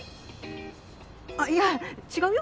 あいや違うよ。